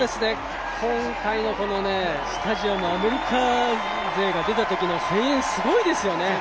今回のスタジアム、アメリカ勢が出たときの声援がすごいですよね。